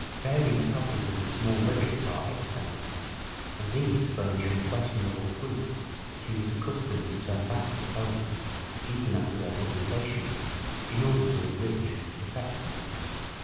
Variant copies of his small lyrics are extant, and these furnish unquestionable proof that he was accustomed to turn back to poems, even after their publication, in order to enrich and perfect them.